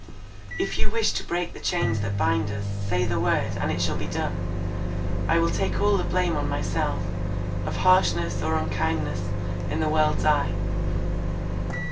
"If you wish to break the chains that bind us, say the word, and it shall be done—I will take all the blame on myself, of harshness or unkindness, in the world's eye.